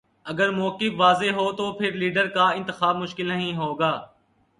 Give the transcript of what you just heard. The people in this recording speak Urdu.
اگر موقف واضح ہو تو پھر لیڈر کا انتخاب مشکل نہیں ہو گا۔